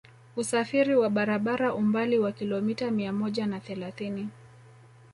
Usafiri wa barabara umbali wa kilomita mia moja na thelathini